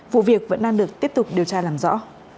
vụ việc vẫn đang được tiếp tục điều tra làm rõ